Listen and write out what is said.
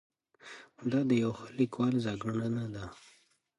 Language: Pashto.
دا د یوه ښه لیکوال ځانګړنه ده.